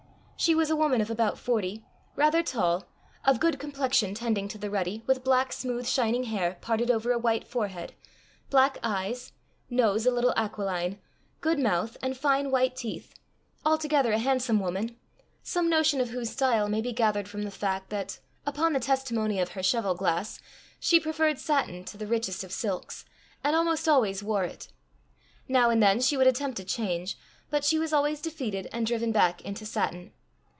She was a woman of about forty, rather tall, of good complexion tending to the ruddy, with black smooth shining hair parted over a white forehead, black eyes, nose a little aquiline, good mouth, and fine white teeth altogether a handsome woman some notion of whose style may be gathered from the fact that, upon the testimony of her cheval glass, she preferred satin to the richest of silks, and almost always wore it. Now and then she would attempt a change, but was always defeated and driven back into satin.